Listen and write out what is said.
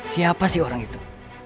siapa sih orang itu